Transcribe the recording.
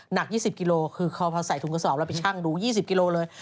หนัก๒๐กิโลคือพอใส่ถุงกระสอบแล้วไปชั่งดู๒๐กิโลเลย